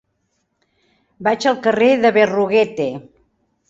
Vaig al carrer de Berruguete.